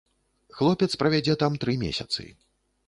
Хлопец правядзе там тры месяцы.